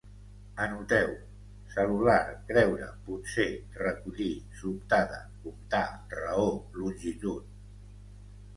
Anoteu: cel·lular, creure, potser, recollir, sobtada, comptar, raó, longitud